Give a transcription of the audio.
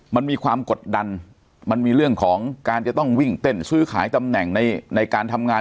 มันมีความกดดันมันมีเรื่องของการจะต้องวิ่งเต้นซื้อขายตำแหน่งในการทำงาน